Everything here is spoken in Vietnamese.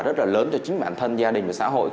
rất là lớn cho chính bản thân gia đình và xã hội